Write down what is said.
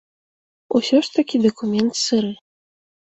Усё ж такі дакумент сыры.